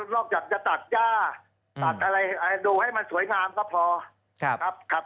นอกจากจะตัดย่าตัดอะไรดูให้มันสวยงามก็พอครับ